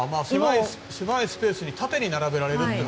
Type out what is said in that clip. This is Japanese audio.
狭いスペースに縦に並べられると。